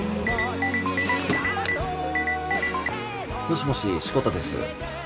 もしもし志子田です。